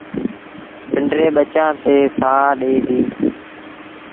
پنڊري ٻچآݩ تي سآه ڏي ديٚ۔